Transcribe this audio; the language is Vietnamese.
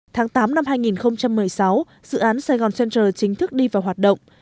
tháng tám năm hai nghìn một mươi sáu dự án sài gòn center chính thức đi vào hoạt động